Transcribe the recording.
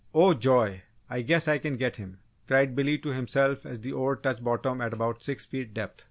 "Oh, joy! I guess I can get him!" cried Billy to himself as the oar touched bottom at about six feet depth.